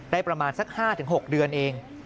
ประมาณสัก๕๖เดือนเอง